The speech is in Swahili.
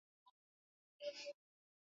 kudai kuwa mikoa kama Chato imekidhi vigezo